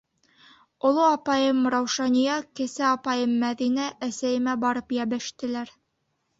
Оло апайым Раушания, кесе апайым Мәҙинә әсәйемә барып йәбештеләр.